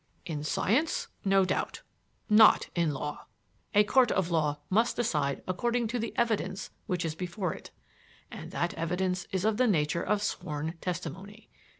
"In science, no doubt. Not in law. A court of law must decide according to the evidence which is before it; and that evidence is of the nature of sworn testimony.